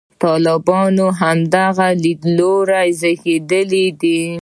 طالبان د همدغسې لیدلوري زېږنده دي.